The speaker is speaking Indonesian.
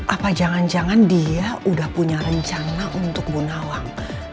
apa jangan jangan dia sudah punya rencana untuk bu nawang